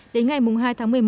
đến ngày hai tháng một mươi một